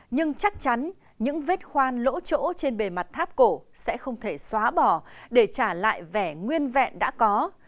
nhưng chắc chắn những vết khoan lỗ chỗ trên bề mặt tháp cổ sẽ không thể xóa bỏ để trả lại vẻ nguyên vẹn đã có